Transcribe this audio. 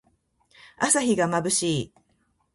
朝日がまぶしい。